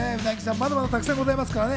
まだまだたくさんございますからね。